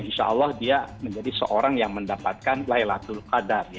insya allah dia menjadi seorang yang mendapatkan laylatul qadar